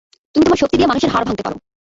তুমি তোমার শক্তি দিয়ে মানুষের হাড় ভাঙতে পারো।